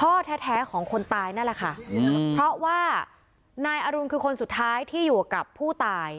พ่อแท้ของคนตายนั่นแหละค่ะเพราะว่านายอรุณคือคนสุดท้ายที่อยู่กับผู้ตาย